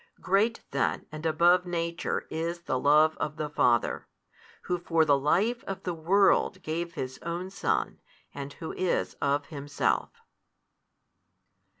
Great then and above nature is the Love of the Father, Who for the life of the world gave His Own Son and Who is of Himself.